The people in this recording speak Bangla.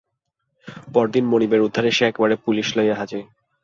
পরদিন মনিবের উদ্ধারে সে একেবারে পুলিশ লইয়া হাজির!